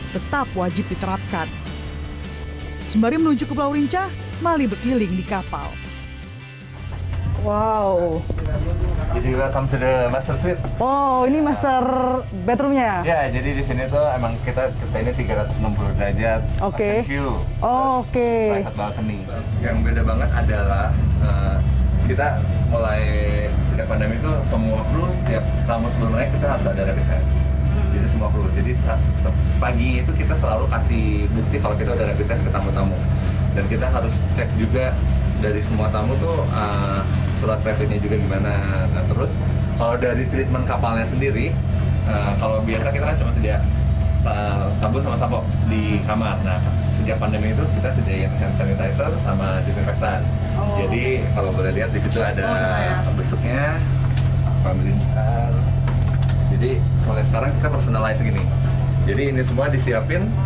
kota terkenal di indonesia adalah kota yang terkenal di indonesia